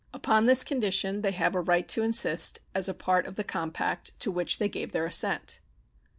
Upon this condition they have a right to insist as a part of the compact to which they gave their assent.